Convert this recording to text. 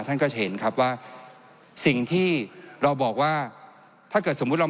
ท่านก็จะเห็นครับว่าสิ่งที่เราบอกว่าถ้าเกิดสมมุติเรา